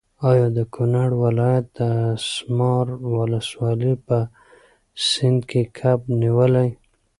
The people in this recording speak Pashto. ایا د کونړ ولایت د اسمار ولسوالۍ په سیند کې کب نیولی؟